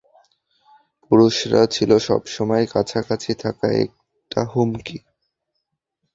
পুরুষরা ছিল সবসময় কাছাকাছি থাকা একটা হুমকি।